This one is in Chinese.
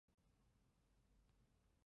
圣文森特和格林纳丁斯国徽为盾徽。